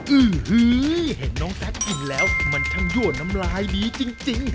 ื้อฮือเห็นน้องแท็กกินแล้วมันช่างยั่วน้ำลายดีจริง